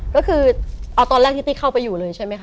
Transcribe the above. ก็คือเอาตอนแรกที่ติ๊กเข้าไปอยู่เลยใช่ไหมคะ